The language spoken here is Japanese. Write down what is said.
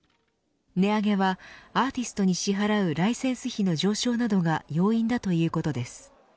値上げはアーティストに支払うライセンス費の上昇などが要因だということです。